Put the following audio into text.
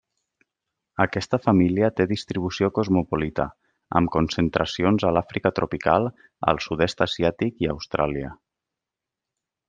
Aquesta família té distribució cosmopolita, amb concentracions a l'Àfrica tropical, al sud-est asiàtic i Austràlia.